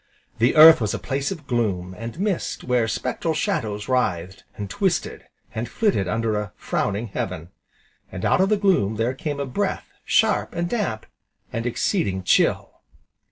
The Earth was a place of gloom, and mist, where spectral shadows writhed, and twisted, and flitted under a frowning heaven, and out of the gloom there came a breath, sharp, and damp, and exceeding chill.